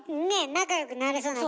仲良くなれそうな気が。